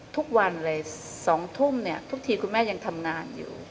ทุกวันเลย๒ทุ่มเนี่ยทุกทีคุณแม่ยังทำงานอยู่